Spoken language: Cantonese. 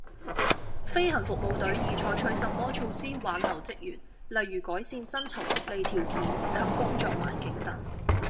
飛行服務隊已採取甚麼措施挽留職員，例如改善薪酬福利條件及工作環境等